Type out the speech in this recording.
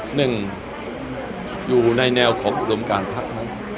หนึ่งอยู่ในแนวของอุดมการภักดิ์ไหม